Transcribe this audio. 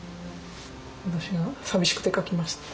私が寂しくて描きました。